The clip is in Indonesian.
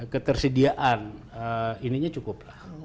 ketersediaan ininya cukup